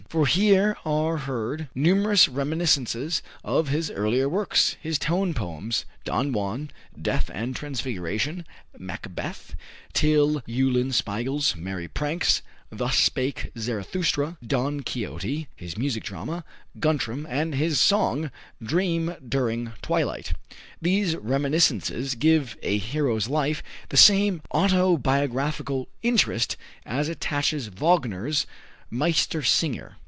For here are heard numerous reminiscences of his earlier works his tone poems, "Don Juan," "Death and Transfiguration," "Macbeth," "Till Eulenspiegel's Merry Pranks," "Thus Spake Zarathustra," "Don Quixote"; his music drama, "Guntram"; and his song, "Dream During Twilight." These reminiscences give "A Hero's Life" the same autobiographical interest as attaches to Wagner's "Meistersinger."